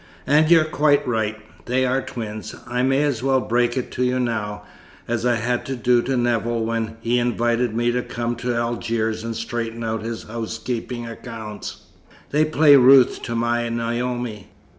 "And you're quite right. They are twins. I may as well break it to you now, as I had to do to Nevill when he invited me to come to Algiers and straighten out his housekeeping accounts: they play Ruth to my Naomi.